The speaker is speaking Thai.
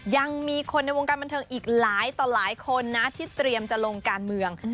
ยังมีคนในวงการบันเทิงอีกหลายต่อหลายคนนะที่เตรียมจะลงการเมือง